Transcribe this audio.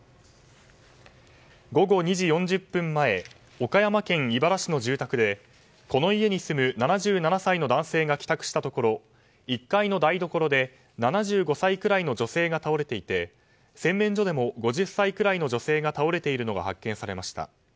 午後２時４０分前岡山県井原市の住宅でこの家に住む７７歳の男性が帰宅したところ１階の台所で７５歳くらいの女性が倒れていて洗面所でも５０歳ぐらいの女性が倒れているのが発見されました。